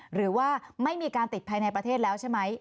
หรือว่าไม่มีการติดภายในประเทศแล้วใช่ไหม